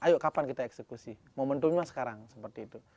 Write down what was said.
ayo kapan kita eksekusi momentumnya sekarang seperti itu